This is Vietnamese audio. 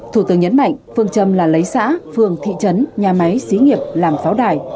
thủ tướng nhấn mạnh phương châm là lấy xã phương thị trấn nhà máy sĩ nghiệp làm pháo đài